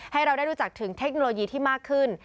ให้เราได้รู้จักถึงเทคโนโลยีที่มากขึ้น